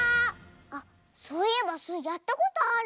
あっそういえばスイやったことある。